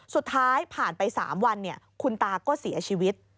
สุดท้ายผ่านไป๓วันคุณตาก็เสียชีวิต